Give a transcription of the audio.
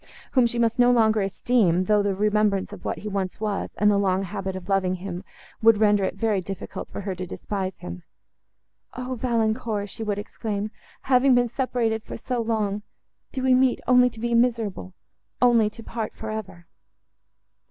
whom she must no longer esteem, though the remembrance of what he once was, and the long habit of loving him, would render it very difficult for her to despise him. "O Valancourt!" she would exclaim, "having been separated so long—do we meet, only to be miserable—only to part for ever?"